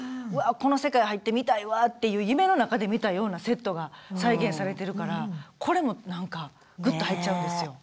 この世界入ってみたいわっていう夢の中で見たようなセットが再現されてるからこれもなんかグッと入っちゃうんですよ。